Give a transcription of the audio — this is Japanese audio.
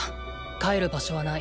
帰る場所はない。